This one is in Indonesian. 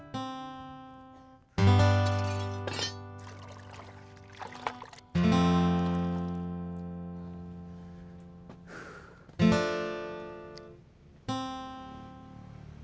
hah kok alas